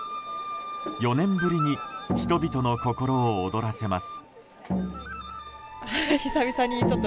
４年ぶりに人々の心を躍らせます。